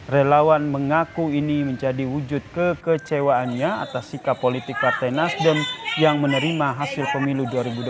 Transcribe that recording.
relawan mengaku ini menjadi wujud kekecewaannya atas sikap politik partai nasdem yang menerima hasil pemilu dua ribu dua puluh